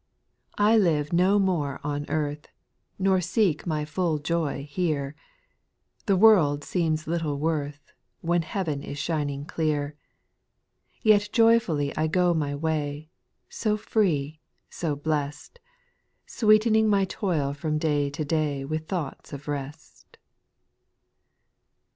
f 262 SPIRITUAL SONGS. 4. I live no more on earth, Nor seek my full joy here; The world seems little worth, When heaven is shining clear ; Yet joyfully I go my way. So free, so blest I Sweetening my toil from day to day With thoughts of rest.